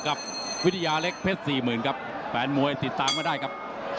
ครับวิทยาเร็กเพชร๔๐๐๐๐ครับแฟนมวยติดตามมาได้ครับ